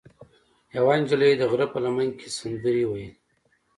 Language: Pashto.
یوه نجلۍ د غره په لمن کې سندرې ویلې.